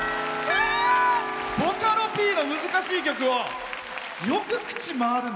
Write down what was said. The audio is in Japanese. ボカロＰの難しい曲よく口回るね！